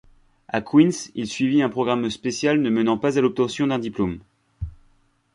À Queen's il suivit un programme spécial ne menant pas à l'obtention d'un diplôme.